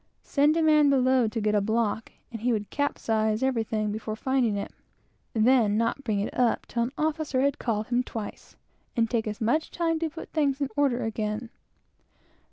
Send a man below to get a block, and he would capsize everything before finding it, then not bring it up till an officer had called him twice, and take as much time to put things in order again.